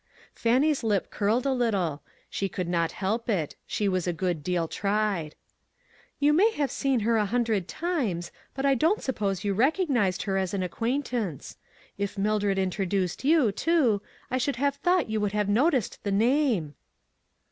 Fannie's lip curled a little; she could not help it ; she was a good deal tried. " You may have seen her a hundred times, but I don't suppose you recognized her as an acquaintance. If Mildred intro duced you, too, I should have thought you would have noticed the name."